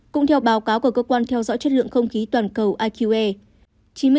cũng theo báo cáo của cơ quan theo dõi chất lượng không khí toàn cầu iqe